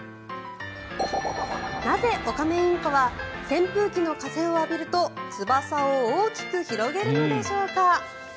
なぜオカメインコは扇風機の風を浴びると翼を大きく広げるのでしょうか。